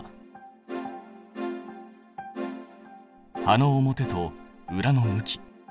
葉の表と裏の向き。